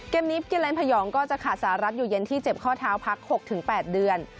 เกมนี้กิเลนพยองก็จะขาดสหรัฐอยู่เย็นที่เจ็บข้อเท้าพัก๖๘เดือน